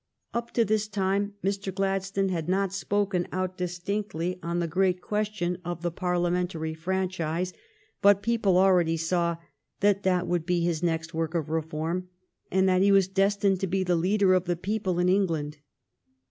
Up to this time Mr. Gladstone had not spoken out distinctly on the great question of the Parliamentary fran 234 THE STORY OF GLADSTONE'S LIFE chise. But people already saw that that would be his next work of reform, and that he was des tined to be the leader of the people in England.